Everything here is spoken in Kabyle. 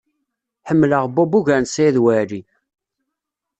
Ḥemmleɣ Bob ugar n Saɛid Waɛli.